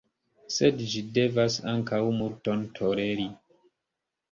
Sed ĝi devas ankaŭ multon toleri.